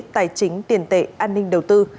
tài chính tiền tệ an ninh đầu tư